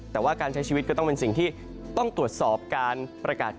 แต่ว่าการใช้ชีวิตก็ต้องเป็นสิ่งที่ต้องตรวจสอบการประกาศ